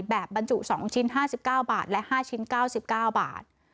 บรรจุ๒ชิ้น๕๙บาทและ๕ชิ้น๙๙บาท